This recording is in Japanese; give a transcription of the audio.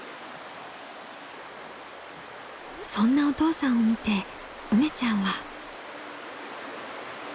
そんなお父さんを見てうめちゃんは。